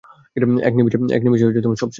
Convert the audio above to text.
এক নিমিষেই সব শেষ!